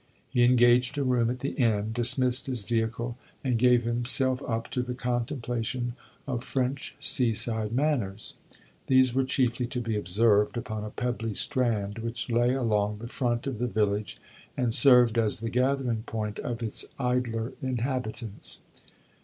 He engaged a room at the inn, dismissed his vehicle, and gave himself up to the contemplation of French sea side manners. These were chiefly to be observed upon a pebbly strand which lay along the front of the village and served as the gathering point of its idler inhabitants.